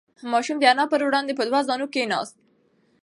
ماشوم د انا په وړاندې په دوه زانو کښېناست.